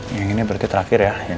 yang ini berarti terakhir ya